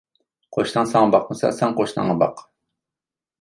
قوشناڭ ساڭا باقمىسا، سەن قوشناڭغا باق.